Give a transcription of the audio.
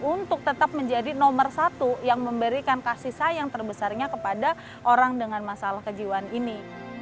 untuk tetap menjadi nomor satu yang memberikan kasih sayang terbesarnya kepada orang dengan masalah kejiwaan ini